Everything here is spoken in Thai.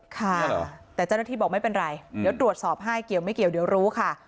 ค่ะแต่เจ้าหน้าที่บอกไม่เป็นไรเดี๋ยวตรวจสอบให้เกี่ยวไม่เกี่ยวเดี๋ยวรู้ค่ะ